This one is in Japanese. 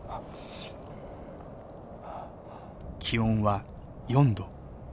気温は４度。